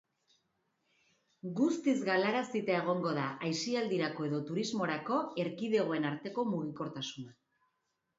Guztiz galarazita egongo da aisialdirako edo turismorako erkidegoen arteko mugikortasuna.